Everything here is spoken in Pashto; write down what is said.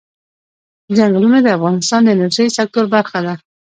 چنګلونه د افغانستان د انرژۍ سکتور برخه ده.